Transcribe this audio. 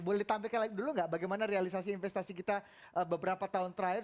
boleh ditampilkan dulu nggak bagaimana realisasi investasi kita beberapa tahun terakhir